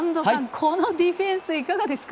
このディフェンスいかがですか？